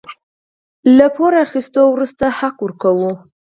له پور اخيستو وروسته حق ورکوو.